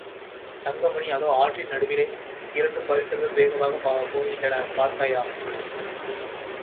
தங்கமணி, அதோ, ஆற்றின் நடுவிலே இரண்டு பரிசல்கள் வேகமாகப் போகின்றன, பார்த்தாயா?